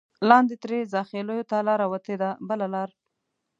لاندې ترې زاخېلو ته لاره وتې ده بله لاره.